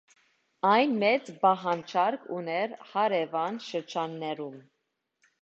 Այն մեծ պահանջարկ ուներ հարևան շրջաններում։